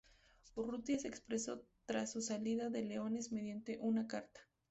Urrutia se expresó tras su salida de Leones mediante una carta.